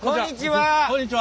こんにちは！